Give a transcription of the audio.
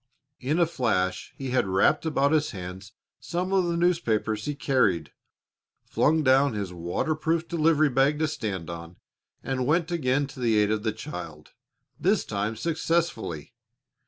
In a flash he had wrapped about his hands some of the newspapers he carried, flung down his waterproof delivery bag to stand on, and went again to the aid of the child, this time successfully.